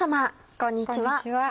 こんにちは。